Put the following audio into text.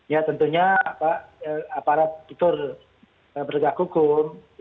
ya tentunya pak aparat fitur pergak hukum